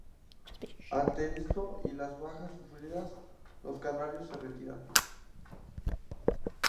Ante esto y las bajas sufridas, los canarios se retiran.